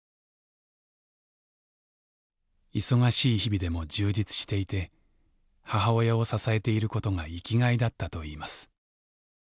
忙しい日々でも充実していて母親を支えていることが生きがいだったといいます。